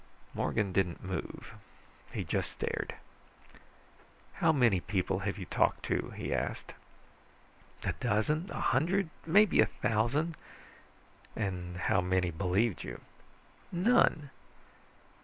Morgan didn't move. He just stared. "How many people have you talked to?" he asked. "A dozen, a hundred, maybe a thousand." "And how many believed you?" "None."